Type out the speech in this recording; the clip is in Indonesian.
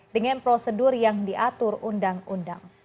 dengan prosedur yang diatur undang undang